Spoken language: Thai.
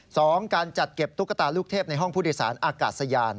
สองการจัดเก็บตุ๊กตาลูกเทพในห้องผู้โดยสารอากาศยาน